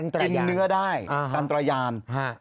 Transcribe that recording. กินเนื้อได้จันตรยาน